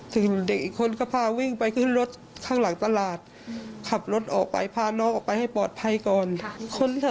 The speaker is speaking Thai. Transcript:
ถึงเด็กอีกคนก็พาวิ่งไปขึ้นรถข้างหลังตลาดขับรถออกไปพาน้องออกไปให้ปลอดภัยก่อน